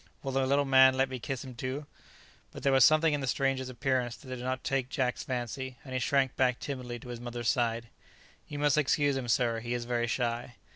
Will the little man let me kiss him too?" But there was something in the stranger's appearance that did not take Jack's fancy, and he shrank back timidly to his mother's side. "You must excuse him, sir; he is very shy."